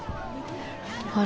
あれ？